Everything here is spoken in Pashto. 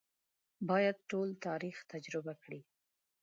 باید ټول تاریخ تجربه کړي.